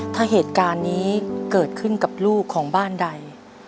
ถ้าเหตุการณ์นี้เกิดขึ้นกับลูกของบ้านใด